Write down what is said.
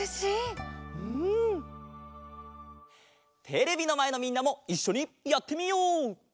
テレビのまえのみんなもいっしょにやってみよう！